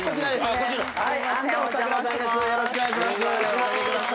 よろしくお願いします。